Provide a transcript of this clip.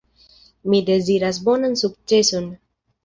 Mi deziras bonan sukceson.